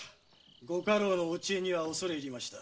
ご家老のお知恵には恐れ入りました。